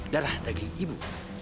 darah daging ibu